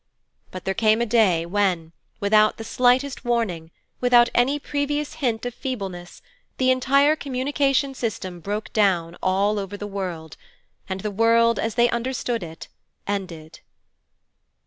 But there came a day when, without the slightest warning, without any previous hint of feebleness, the entire communication system broke down, all over the world, and the world, as they understood it, ended.